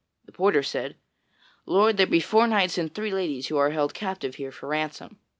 The porter said: "Lord, there be four knights and three ladies who are held captive here for ransom."